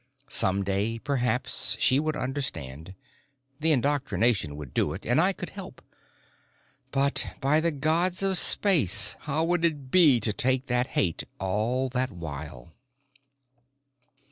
Someday, perhaps, she would understand ... the indoctrination could do it, and I could help. But by the gods of space, how would it be to take that hate all that while?